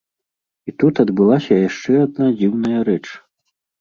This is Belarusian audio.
І тут адбылася яшчэ адна дзіўная рэч.